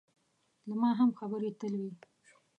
له ما هم خبرې تل وي.